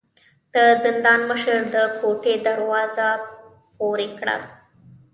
د زندان مشر د کوټې دروازه پورې کړه.